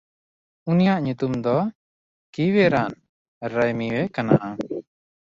ᱩᱱᱤᱭᱟᱜ ᱧᱩᱛᱩᱢ ᱫᱚ ᱠᱤᱣᱮᱨᱟᱱᱼᱨᱟᱭᱢᱤᱣᱮ ᱠᱟᱱᱟ᱾